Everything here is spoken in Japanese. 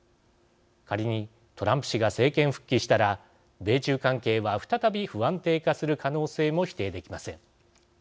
仮にトランプ氏が政権復帰したら米中関係は再び不安定化する可能性も否定できません。